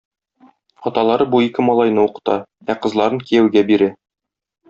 Аталары бу ике малайны укыта, ә кызларын кияүгә бирә.